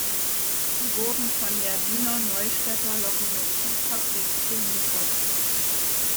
Sie wurden von der Wiener Neustädter Lokomotivfabrik geliefert.